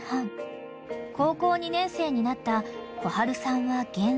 ［高校２年生になったこはるさんは現在］